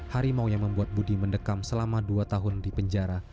harimau yang membuat budi mendekam selama dua tahun di penjara